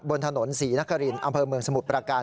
บนถนนศรีนครินอำเภอเมืองสมุทรประการ